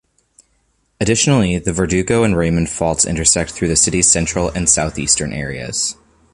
Additionally, the Verdugo and Raymond faults intersect through the city's central and southeastern areas.